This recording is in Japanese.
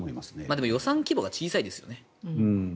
でも予算規模が小さいですよね。